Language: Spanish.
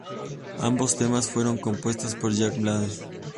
Ambos temas fueron compuestos por Jack Blades.